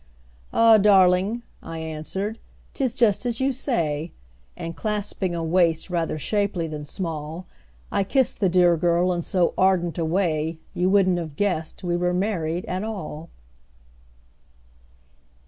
"Ah! darling," I answered, "'tis just as you say;" And clasping a waist rather shapely than small, I kissed the dear girl in so ardent a way You wouldn't have guessed we were married at all!